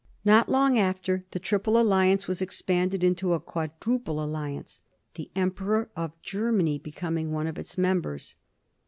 Not long after, the triple alliance was expanded into a quadruple alliance, the Emperor of Germany becoming one of its members.